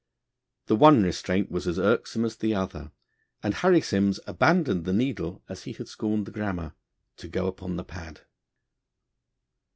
The one restraint was as irksome as the other, and Harry Simms abandoned the needle, as he had scorned the grammar, to go upon the pad.